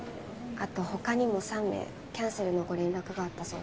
あと他にも３名キャンセルのご連絡があったそうです。